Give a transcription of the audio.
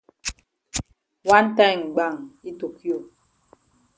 Wan time gbam yi tokio.